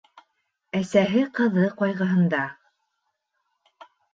Әсәһе ҡыҙы ҡайғыһында